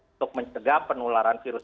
untuk mencegah penularan virus